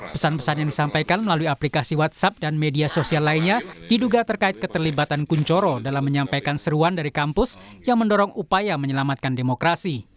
pesan pesan yang disampaikan melalui aplikasi whatsapp dan media sosial lainnya diduga terkait keterlibatan kunchoro dalam menyampaikan seruan dari kampus yang mendorong upaya menyelamatkan demokrasi